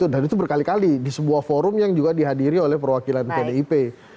dan itu berkali kali di sebuah forum yang juga dihadiri oleh perwakilan pdip